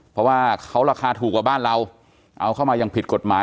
เพราะว่าเขาราคาถูกกว่าบ้านเราเอาเข้ามาอย่างผิดกฎหมาย